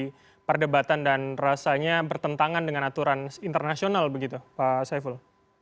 menjadi perdebatan dan rasanya bertentangan dengan aturan internasional begitu pak saiful